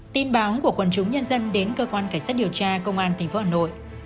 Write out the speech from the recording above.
tin báo của quần chúng nhân dân đến cơ quan cảnh sát điều tra công an tp hà nội